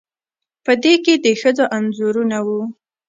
په دې کې د ښځو انځورونه وو